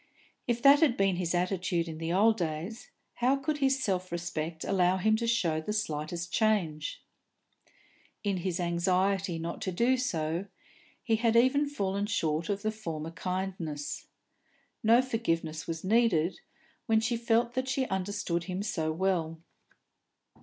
If that had been his attitude in the old days, how could his self respect allow him to show the slightest change? In his anxiety not to do so, he had even fallen short of the former kindness. No forgiveness was needed, when she felt that she understood him so well.